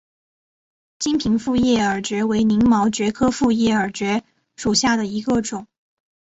金平复叶耳蕨为鳞毛蕨科复叶耳蕨属下的一个种。